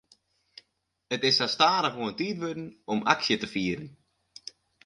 It is sa stadichoan tiid wurden om aksje te fieren.